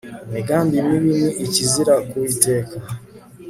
imigambi mibi ni ikizira ku uwiteka